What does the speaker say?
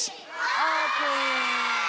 オープン！